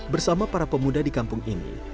bersama para pemuda di kampung ini